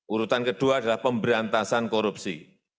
urutan kedua adalah pemberantasan korupsi